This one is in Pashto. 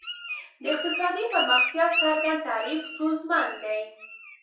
د اقتصادي پرمختیا څرګند تعریف ستونزمن دی.